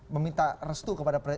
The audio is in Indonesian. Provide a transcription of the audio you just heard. meminta restu kepada